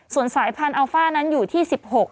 ส่วนสายพันธุอัลฟ่านั้นอยู่ที่๑๖